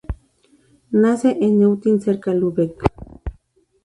Nace en Eutin, cerca de Lübeck.